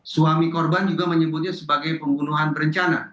suami korban juga menyebutnya sebagai pembunuhan berencana